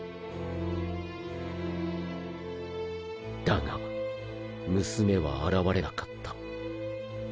だが娘は現れなかった。